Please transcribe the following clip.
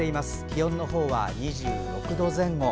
気温のほうは２６度前後。